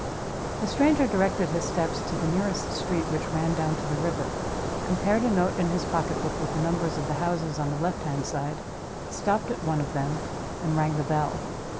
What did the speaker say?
The stranger directed his steps to the nearest street which ran down to the river, compared a note in his pocketbook with the numbers of the houses on the left hand side, stopped at one of them, and rang the bell.